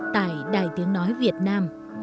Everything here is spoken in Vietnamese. tại đài tiếng nói việt nam